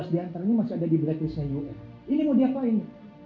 enam belas diantaranya masih ada di blacklist nya un ini mau diapain